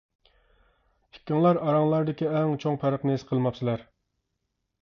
— ئىككىڭلار ئاراڭلاردىكى ئەڭ چوڭ پەرقنى ھېس قىلماپسىلەر.